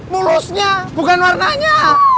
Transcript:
mulusnya bukan warnanya